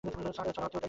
ছড়া অর্থেও তাই।